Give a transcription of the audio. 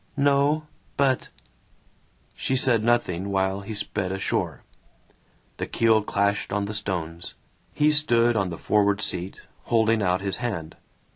"No, but " She said nothing while he sped ashore. The keel clashed on the stones. He stood on the forward seat, holding out his hand.